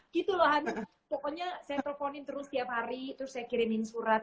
gitu loh pokoknya saya teleponin terus tiap hari terus saya kirimin surat